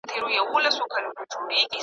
د هرات ابدالیانو وروسته د مشهد ښار فتح کړ.